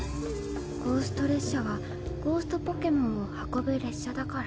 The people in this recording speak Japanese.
ゴースト列車はゴーストポケモンを運ぶ列車だから。